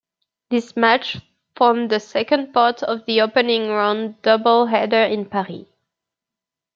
This match formed the second part of the opening round double-header in Paris.